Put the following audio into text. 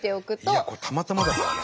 いやこれたまたまだからな。